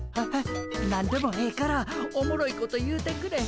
何でもええからおもろいこと言うてくれへん？